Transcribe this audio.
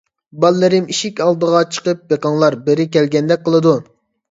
بالىلىرىم، ئىشىك ئالدىغا چىقىپ بېقىڭلار، بىرى كەلگەندەك قىلىدۇ.